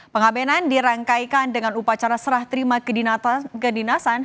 pengabenan dirangkaikan dengan upacara serah terima kedinasan